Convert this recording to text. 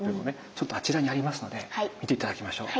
ちょっとあちらにありますので見て頂きましょう。